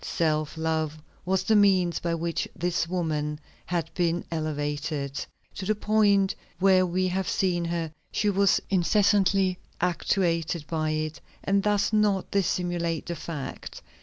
Self love was the means by which this woman had been elevated to the point where we have seen her; she was incessantly actuated by it, and does not dissimulate the fact."